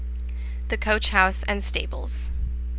THE COACHHOUSE AND STABLES.